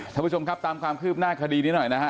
ท่านผู้ชมครับตามความคืบหน้าคดีนี้หน่อยนะฮะ